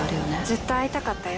ずっと会いたかったよ。